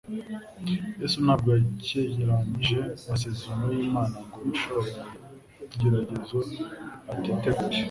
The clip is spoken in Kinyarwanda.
Yesu ntabwo yakekeranije amasezerano y'Imana ngo yishore mu bigeragezo atiteguye